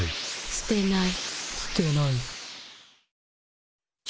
すてない。